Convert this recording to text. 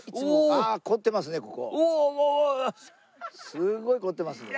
すごい凝ってますね。